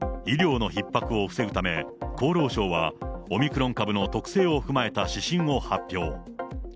医療のひっ迫を防ぐため、厚労省はオミクロン株の特性を踏まえた指針を発表。